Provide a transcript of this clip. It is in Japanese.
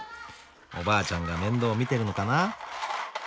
おばあちゃんが面倒見てるのかな。